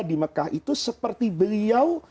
di mekah itu seperti beliau